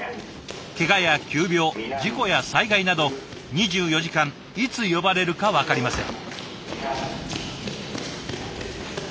けがや急病事故や災害など２４時間いつ呼ばれるか分かりません。